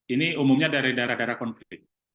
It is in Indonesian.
ini umumnya dari daerah daerah konflik